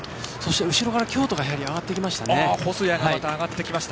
後ろから京都が上がってきました。